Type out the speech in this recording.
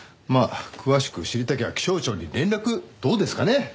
まあ詳しく知りたきゃ気象庁に連絡どうですかね？